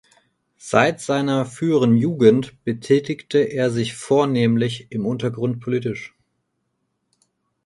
Seit seiner führen Jugend betätigte er sich vornehmlich im Untergrund politisch.